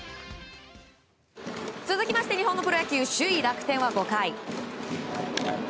続きまして日本のプロ野球首位、楽天は５回。